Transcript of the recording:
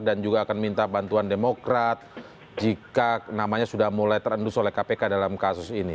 dan juga akan minta bantuan demokrat jika namanya sudah mulai terendus oleh kpk dalam kasus ini